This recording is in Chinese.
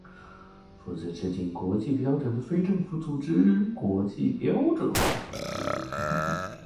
负责制定国际标准的非政府组织国际标准化组织。